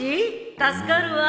助かるわ。